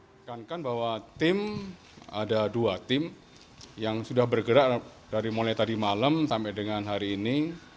menekankan bahwa tim ada dua tim yang sudah bergerak dari mulai tadi malam sampai dengan hari ini